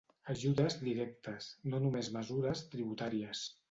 Ajudes directes, no només mesures tributàries.